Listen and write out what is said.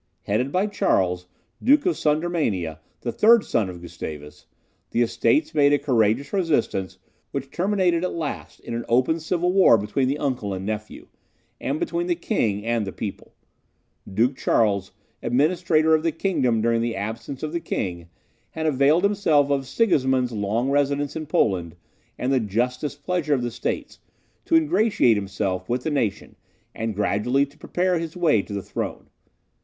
Headed by Charles, Duke of Sudermania, the third son of Gustavus, the Estates made a courageous resistance, which terminated, at last, in an open civil war between the uncle and nephew, and between the King and the people. Duke Charles, administrator of the kingdom during the absence of the king, had availed himself of Sigismund's long residence in Poland, and the just displeasure of the states, to ingratiate himself with the nation, and gradually to prepare his way to the throne.